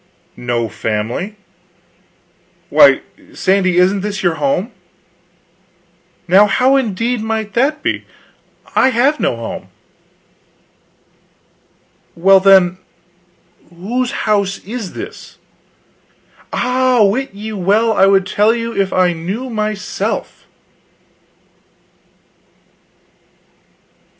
"No family? Why, Sandy, isn't this your home?" "Now how indeed might that be? I have no home." "Well, then, whose house is this?" "Ah, wit you well I would tell you an I knew myself."